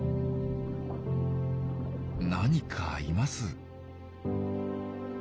何かいます。